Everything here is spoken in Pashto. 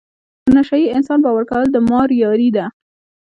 په نشه یې انسان باور کول د مار یاري ده.